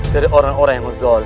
dari orang orang yang zoli